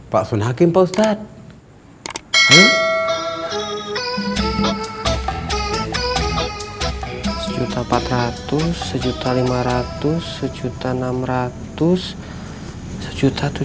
pak sun hakim pak ustadz